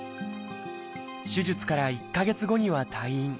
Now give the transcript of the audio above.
手術から１か月後には退院。